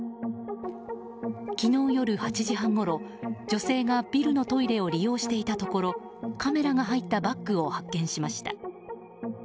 昨日夜８時半ごろ女性がビルのトイレを利用していたところカメラが入ったバッグを発見しました。